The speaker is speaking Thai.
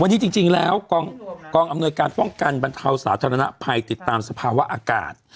วันนี้จริงแล้วกองอำนวยการป้องกันบรรเทาสาธารณภัยติดตามสภาวะอากาศ